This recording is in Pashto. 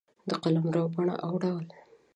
د قلمرو بڼه او ډول